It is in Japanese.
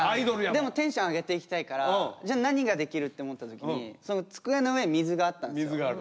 でもテンション上げていきたいからじゃあ何ができるって思った時に机の上に水があったんですよ。